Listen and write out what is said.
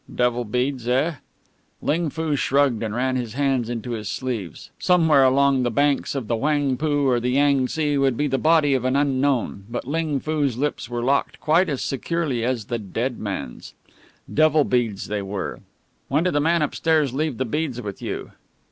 "Devil beads, eh?" Ling Foo shrugged and ran his hands into his sleeves. Somewhere along the banks of the Whangpoo or the Yang tse would be the body of an unknown, but Ling Foo's lips were locked quite as securely as the dead man's. Devil beads they were. "When did the man upstairs leave the beads with you?"